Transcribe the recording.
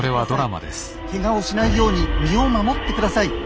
ケガをしないように身を守ってください。